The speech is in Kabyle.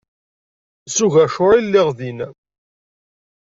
S ugacur i lliɣ din.